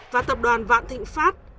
và tập đoàn vạn thịnh pháp